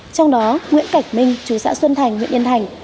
trong đó nguyễn cảnh minh chú xã xuân thành huyện yên thành